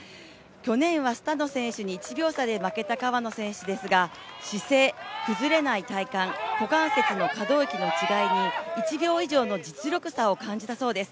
去年はスタノ選手に１秒差で負けた川野選手ですが、姿勢、崩れない体幹、股関節の可動域の違いに１秒以上の実力差を感じたそうです